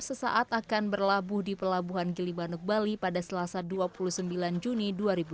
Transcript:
sesaat akan berlabuh di pelabuhan gilimanuk bali pada selasa dua puluh sembilan juni dua ribu dua puluh